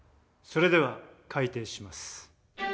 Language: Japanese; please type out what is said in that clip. それでは開廷します。